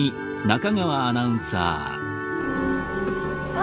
あ